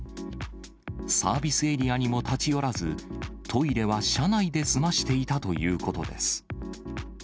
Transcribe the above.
サービスエリアにも立ち寄らず、トイレは車内で済ましていたということです。